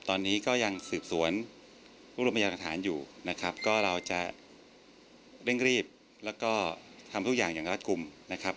ตอนนี้ก็ยังสืบสวนรวบรวมพยานหลักฐานอยู่นะครับก็เราจะเร่งรีบแล้วก็ทำทุกอย่างอย่างรัฐกลุ่มนะครับ